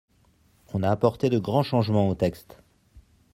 On a apporté de grands changements au texte.